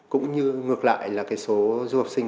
cũng như ngược lại là cái số du học sinh